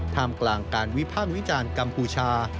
กลางการวิพากษ์วิจารณ์กัมพูชา